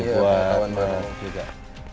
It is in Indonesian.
iya pengetahuan baru